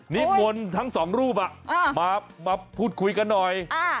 นิมนต์ทั้งสองรูปมาพูดคุยกันหน่อย